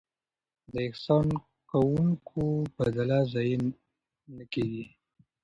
د احسان کوونکو بدله ضایع نه کیږي.